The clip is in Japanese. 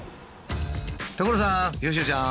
所さん佳乃ちゃん。